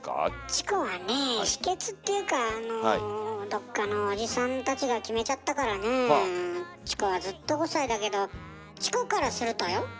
チコはねぇ秘けつっていうかあのどっかのおじさんたちが決めちゃったからねぇチコはずっと５歳だけどチコからするとよ？はい。